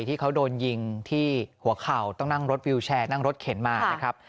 ที่เขาโดนยิงที่หัวเข่าต้องนั่งรถวิวแชร์นั่งรถเข็นมานะครับ